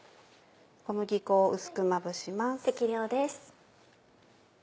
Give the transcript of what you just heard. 小麦粉を薄くまぶします。